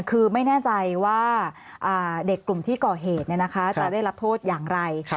คือไม่แน่ใจว่าเด็กกลุ่มที่ก่อเหตุจะได้รับโทษอย่างไร